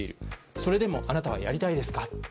それでもあなたはやりたいですか？